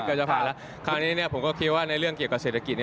จะผ่านแล้วคราวนี้ผมก็คิดว่าในเรื่องเกี่ยวกับเศรษฐกิจ